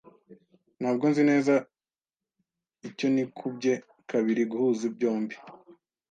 Ntabwo nzi neza icyo nikubye kabiri guhuza byombi